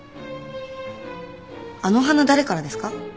あの花誰からですか？